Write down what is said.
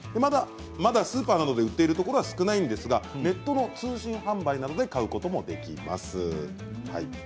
まだスーパーなどで売っているところは少ないんですが、ネットの通信販売などで買うこともできます。